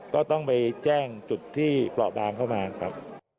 ก็ต้องไปแจ้งจุดที่เปราะบางเข้ามาครับ